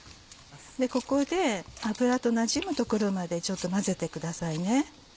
ここで油となじむところまでちょっと混ぜてくださいね。